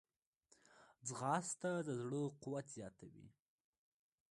ځغاسته د زړه قوت زیاتوي